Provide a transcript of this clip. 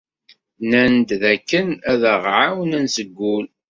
Nnan-d dakken ad aɣ-ɛawnen seg wul.